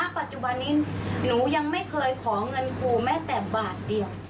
ปัจจุบันนี้หนูยังไม่เคยขอเงินครูแม้แต่บาทเดียว